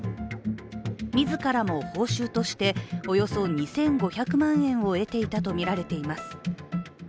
自らも報酬として、およそ２５００万円を得ていたとみられています。